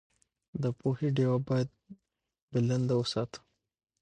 د پوهې ډېوه باید بلنده وساتو.